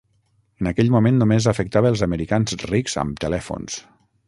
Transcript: En aquell moment, només afectava els americans rics amb telèfons.